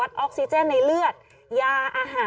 กล้องกว้างอย่างเดียว